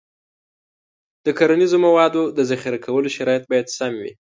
د کرنیزو موادو د ذخیره کولو شرایط باید سم وي.